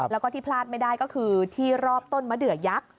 แล้วก็ที่พลาดไม่ได้ก็คือที่รอบต้นมะเดือยักษ์